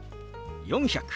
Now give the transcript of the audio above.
「４００」。